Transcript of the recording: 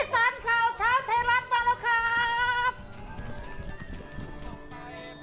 สีสันข่าวเช้าเทรันดร์มาแล้วครับ